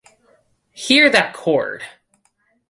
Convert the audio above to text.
Hear that chord!